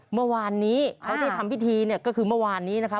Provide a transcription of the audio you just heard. เมื่อวานนี้เขาได้ทำพิธีเนี่ยก็คือเมื่อวานนี้นะคะ